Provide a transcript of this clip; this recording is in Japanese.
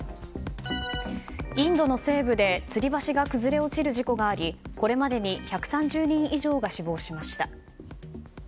インドの西部でつり橋が崩れ落ちる事故がありこれまでに１３０人以上が死亡しました。